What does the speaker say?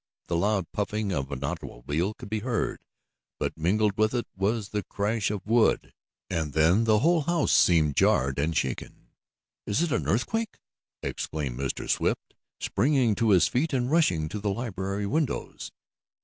The loud puffing of an automobile could be heard, but mingled with it was the crash of wood, and then the whole house seemed jarred and shaken. "Is it an earthquake?" exclaimed Mr. Swift, springing to his feet, and rushing to the library windows.